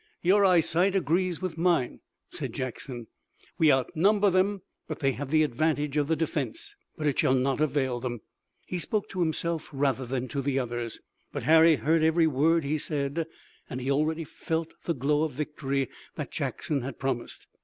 "Your eyesight agrees with mine," said Jackson. "We outnumber them, but they have the advantage of the defense. But it shall not avail them." He spoke to himself rather than to the others, but Harry heard every word he said, and he already felt the glow of the victory that Jackson had promised.